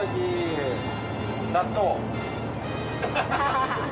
納豆。